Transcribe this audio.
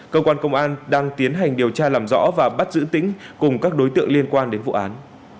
cơ quan công an đang tiến hành điều tra làm rõ và bắt giữ tính cùng các đối tượng liên quan đến vụ án